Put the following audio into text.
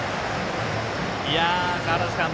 川原崎さん